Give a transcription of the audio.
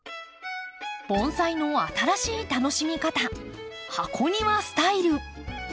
盆栽の新しい楽しみ方箱庭スタイル。